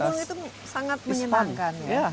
dan berkebun itu sangat menyenangkan